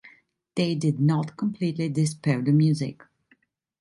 They did not completely dispel the music.